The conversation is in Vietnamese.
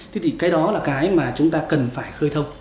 thế thì cái đó là cái mà chúng ta cần phải khơi thông